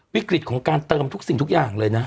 วิกฤตของการเติมทุกสิ่งทุกอย่างเลยนะ